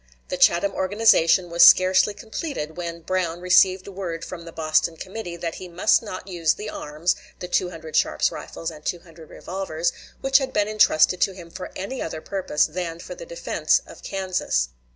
The Chatham organization was scarcely completed when Brown received word from the Boston committee that he must not use the arms (the 200 Sharps rifles and 200 revolvers) which had been intrusted to him for any other purpose than for the defense of Kansas.